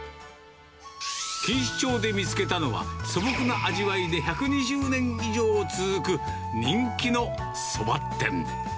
錦糸町で見つけたのは、素朴な味わいで１２０年以上続く、人気のそば店。